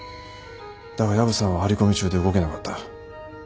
だが薮さんは張り込み中で動けなかった。